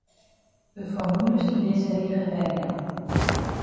De formules yn dizze rige werjaan.